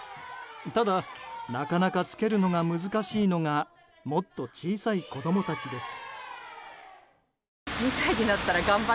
ただ、なかなか着けるのが難しいのがもっと小さい子供たちです。